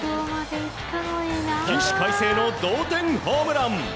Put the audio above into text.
起死回生の同点ホームラン。